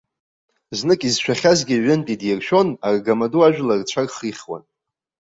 Знык изшәахьазгьы ҩынтә идиршәон, аргамаду ажәлар рцәа рхихуан.